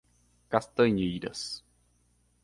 Castanheiras